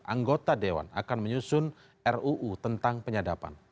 anggota dewan akan menyusun ruu tentang penyadapan